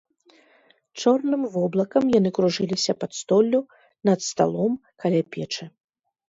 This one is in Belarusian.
Чорным воблакам яны кружыліся пад столлю, над сталом, каля печы.